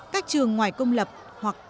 các trường ngoài công lập hoặc